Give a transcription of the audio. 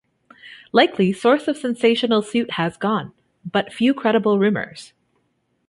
Likely source of sensational suit has gone, but few credible rumors.